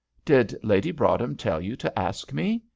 "Did Lady Broadhem tell you to ask me?"